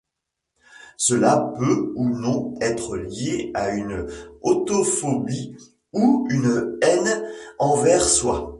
Cela peut, ou non, être lié à une autophobie ou une haine envers soi.